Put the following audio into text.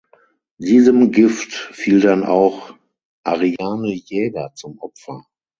Diesem Gift fiel dann auch Ariane Jäger zum Opfer.